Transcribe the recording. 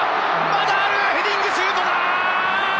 続けてヘディングシュートだ！